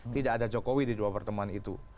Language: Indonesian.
tidak ada jokowi di dua pertemuan itu